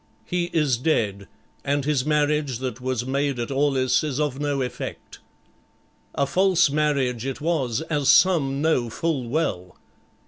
"He is dead and his marriage that was made at Aulis is of no effect." "A false marriage it was, as some know full well."